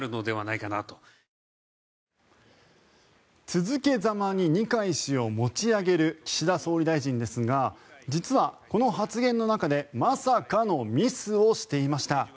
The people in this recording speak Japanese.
続けざまに二階氏を持ち上げる岸田総理大臣ですが実は、この発言の中でまさかのミスをしていました。